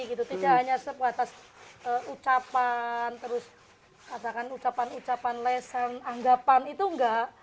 tidak hanya sebatas ucapan terus katakan ucapan ucapan lesen anggapan itu enggak